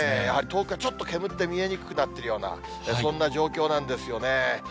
やはり遠くがちょっと煙って見えにくくなっているようなそんな状況なんですよね。